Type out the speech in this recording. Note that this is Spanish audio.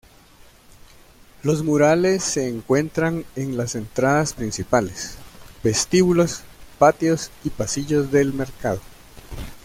Los murales se encuentran en las entradas principales, vestíbulos, patios y pasillos del mercado.